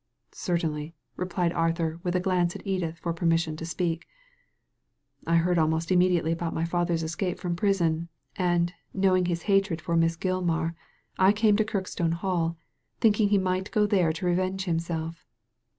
" Certainly," replied Arthur, with a glance at Edith for permission to speak. I heard almost immedi ately about my father's escape from prison, and, knowing his hatred for Miss Gilmar, I came to Kirkstone Hall, thinking he might go there to revenge himself.